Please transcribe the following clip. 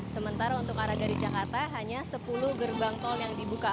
sementara untuk arah dari jakarta hanya sepuluh gerbang tol yang dibuka